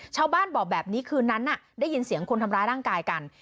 ชาวบ้านบอกแบบนี้คืนนั้นได้ยินเสียงคนทำร้ายร่างกายกัน